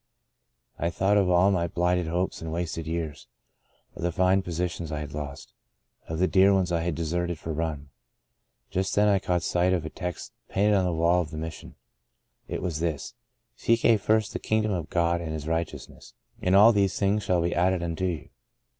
I thought of all my blighted hopes and wasted years ; of the fine posi tions I had lost; of the dear ones I had deserted for rum. Just then I caught sight of a text painted on the wall of the Mission. It was this :* Seek ye first the kingdom of God and His righteousness, and all these things shall be added unto you.'